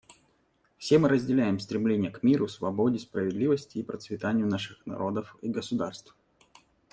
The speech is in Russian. Все мы разделяем стремление к миру, свободе, справедливости и процветанию наших народов и государств.